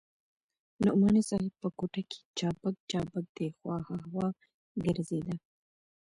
نعماني صاحب په کوټه کښې چابک چابک دې خوا ها خوا ګرځېده.